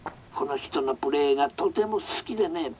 この人のプレーがとても好きでね」。